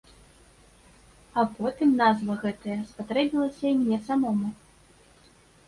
А потым назва гэтая спатрэбілася і мне самому.